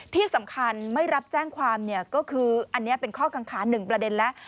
ที่สำคัญไม่รับแจ้งความเนี่ยก็คืออันนี้เป็นข้อกังขา๑ประเด็นแล้ว